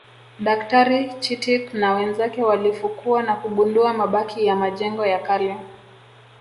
Daktari Chittick na wenzake walifukua na kugundua mabaki ya majengo ya kale